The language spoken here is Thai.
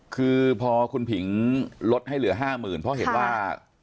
คือพอคุณผิงลดให้เหลือ๕๐๐๐เพราะเห็นว่า